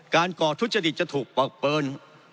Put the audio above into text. การก่อทุจฤษฎิจะถูกปลอบเปิน